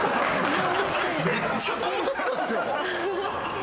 めっちゃ怖かったっすよ。